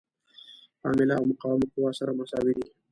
عامله او مقاومه قوه سره مساوي دي.